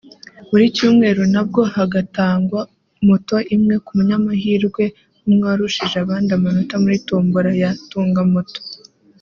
Buri cyumweru nabwo hagatangwa moto imwe ku munyamahirwe umwe warushije abandi amanota muri Tombora ya Tunga Moto